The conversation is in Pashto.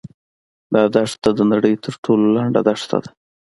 دا دښته د نړۍ تر ټولو لنډه دښته ده.